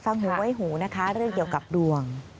หูไว้หูนะคะเรื่องเกี่ยวกับดวง